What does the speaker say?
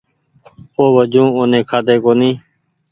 اوُ وجون اوني کآۮو ڪونيٚ